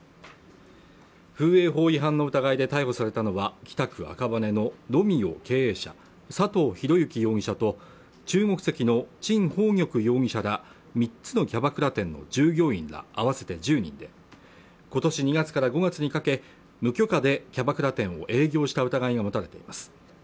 風営法違反の疑いで逮捕されたのは北区赤羽のＲＯＭＥＯ経営者佐藤弘之容疑者と中国籍の陳鳳玉容疑者ら３つのキャバクラ店の従業員ら合わせて１０人で今年２月から５月にかけ無許可でキャバクラ店を営業した疑いが持たれています